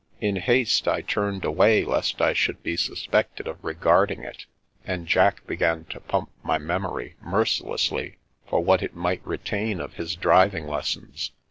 In haste I turned away, lest I should be suspected of regarding it, and Jack began to pump my memory mercilessly for what it might retain of his driving lessons.